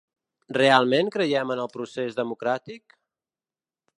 Realment creiem en el procés democràtic?